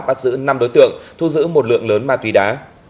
bắt giữ năm đối tượng thu giữ một lượng lớn ma túy đá